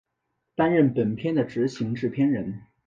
担任本片的执行制片人。